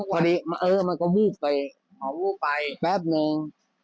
พอดีเออมันก็วูบไปแป๊บหนึ่ง